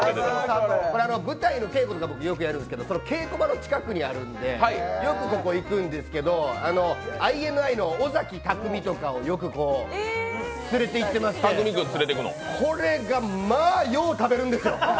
舞台の稽古のときによくやるんですけど、その稽古場の近くにあるんでよくここ行くんですけどＩＮＩの尾崎匠海とかをよく連れていってましてこれが、まあよう食べるんですよ！